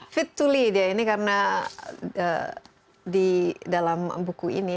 fit to leae dia ini karena di dalam buku ini